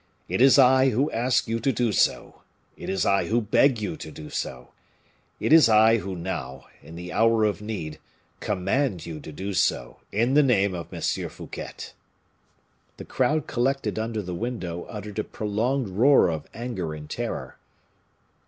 It is I who ask you to do so; it is I who beg you to do so; it is I who now, in the hour of need, command you to do so, in the name of M. Fouquet." The crowd collected under the window uttered a prolonged roar of anger and terror.